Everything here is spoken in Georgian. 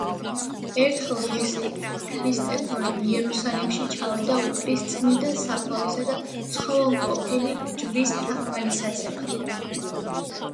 ერთხელ ღირსი ქრისტეფორე იერუსალიმში ჩავიდა უფლის წმიდა საფლავისა და ცხოველმყოფელი ჯვრის თაყვანსაცემად.